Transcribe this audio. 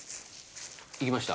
いきました？